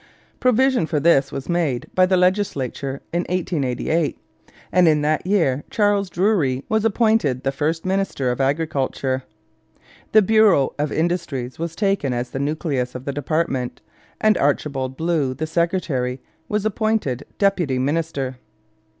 Provision for this was made by the legislature in 1888, and in that year Charles Drury was appointed the first minister of Agriculture. The bureau of Industries was taken as the nucleus of the department, and Archibald Blue, the secretary, was appointed deputy minister.